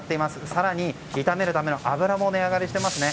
更に、炒めるための油も値上がりしています。